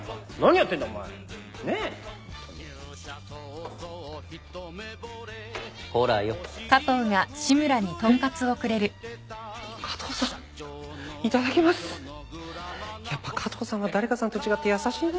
やっぱ加藤さんは誰かさんと違って優しいね。